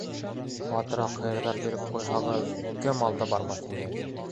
Батрак һыйырҙар биреп ҡуйһағыҙ, кем алда бармаҫ ине!